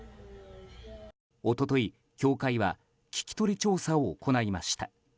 一昨日、協会は聞き取り調査を行いました。